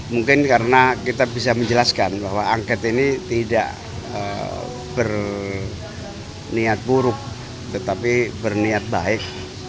mungkin karena kita bisa menjelaskan bahwa angket ini tidak berniat buruk tetapi berniat baik